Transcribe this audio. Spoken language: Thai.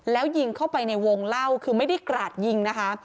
แล้วยิงเข้าไปในวงเล่าคือไม่ได้กราดยิงนะคะ